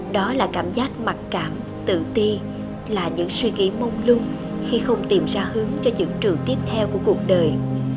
đó là cảm giác mặc cảm tự ti là những suy nghĩ mông lung khi không tìm ra hướng cho những trường tiếp theo của cuộc đời